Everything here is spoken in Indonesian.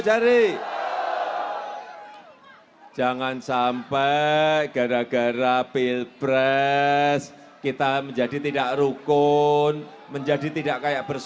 jangan sampai kita terkena hasutan hasutan hoax